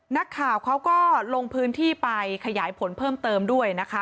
นักข่าวเขาก็ลงพื้นที่ไปขยายผลเพิ่มเติมด้วยนะคะ